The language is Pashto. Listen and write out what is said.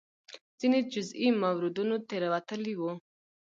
ځینې جزئي موردونو تېروتلي وو.